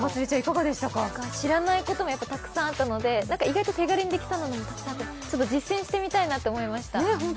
知らないこともたくさんあったので意外と手軽にできそうなのもたくさんあって実践してみたいなと思いました。